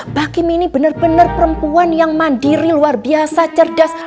mbak kim ini bener bener perempuan yang mandiri luar biasa cerdas